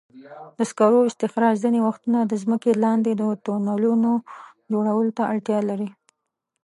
د سکرو استخراج ځینې وختونه د ځمکې لاندې د تونلونو جوړولو ته اړتیا لري.